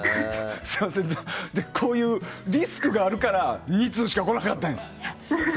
こういうリスクがあるから２通しか来なかったんですよ。